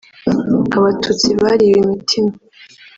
Abatutsi bariwe imitima